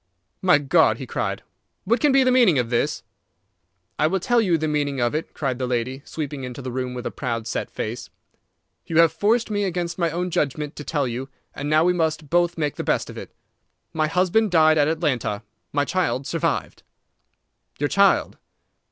"My God!" he cried. "What can be the meaning of this?" "I will tell you the meaning of it," cried the lady, sweeping into the room with a proud, set face. "You have forced me, against my own judgment, to tell you, and now we must both make the best of it. My husband died at Atlanta. My child survived." "Your child?"